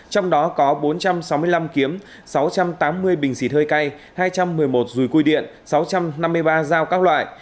trong đó có bốn trăm sáu mươi năm kiếm sáu trăm tám mươi bình xịt hơi cay hai trăm một mươi một rùi cui điện sáu trăm năm mươi ba dao các loại